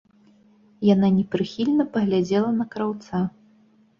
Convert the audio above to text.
Яна непрыхільна паглядзела на краўца.